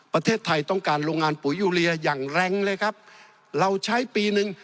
ประเทศไทยต้องการโรงงานปุ๋ยยูเรียอย่างแรงเลยครับเราใช้ปีหนึ่ง